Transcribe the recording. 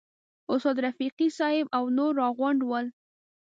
استاد رفیقي صاحب او نور راغونډ ول.